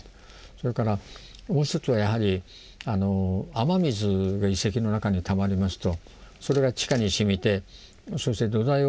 それからもう一つはやはり雨水が遺跡の中にたまりますとそれが地下に染みてそして土台を動かすんですね。